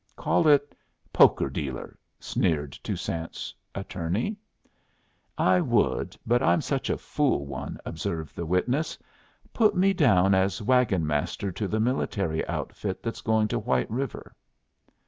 "Call it poker dealer," sneered Toussaint's attorney. "I would, but I'm such a fool one," observed the witness. "Put me down as wagon master to the military outfit that's going to White River."